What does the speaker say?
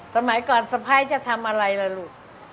สมัยก่อนสะพ้ายจะทำอะไรล่ะลูก